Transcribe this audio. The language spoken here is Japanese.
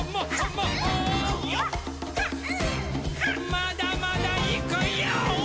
まだまだいくヨー！